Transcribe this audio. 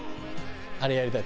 あれやりたいの？